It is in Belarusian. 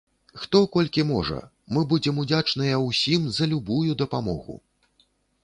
Хто колькі можа, мы будзем удзячныя ўсім за любую дапамогу!